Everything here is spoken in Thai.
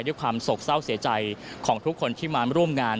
ด้วยความโศกเศร้าเสียใจของทุกคนที่มาร่วมงาน